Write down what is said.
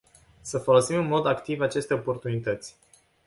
Să folosim în mod activ aceste oportunități.